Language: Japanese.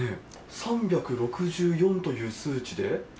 ３６４という数値で。